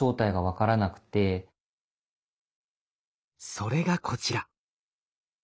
それがこちら。